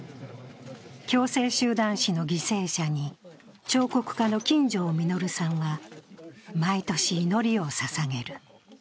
強制集団死の犠牲者に彫刻家の金城実さんは毎年祈りをささげる。